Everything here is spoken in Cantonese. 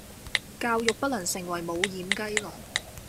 教育不能成為無掩雞籠